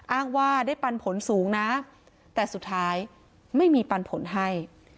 อ้างว่าได้ปันผลสูงนะแต่สุดท้ายไม่มีปันผลให้